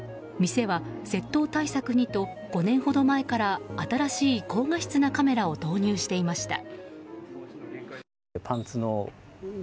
店は、窃盗対策にと５年ほど前から新しい高画質なカメラを導入していました。